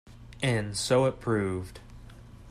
And so it proved.